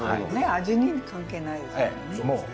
味に関係ないですもんね。